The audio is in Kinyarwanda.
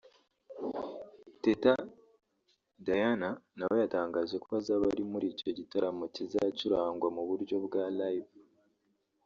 Teta Diana nawe yatangaje ko azaba ari muri icyo gitaramo kizacurangwa mu buryo bwa “Live”